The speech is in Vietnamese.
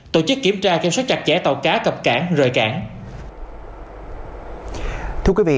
tổ chức kiểm tra kiểm soát chặt chẽ tàu cá cập cảng rời cảng